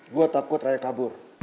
gue takut raya kabur